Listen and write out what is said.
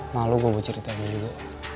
malu gue buat ceritanya juga